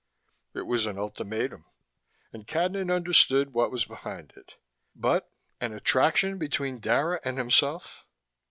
It was an ultimatum, and Cadnan understood what was behind it. But an attraction between Dara and himself